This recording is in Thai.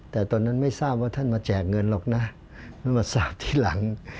แต่ตอนนั้นไม่ทราบว่าท่านมาแจกเงินหรอกนะท่านมาทราบทีหลัง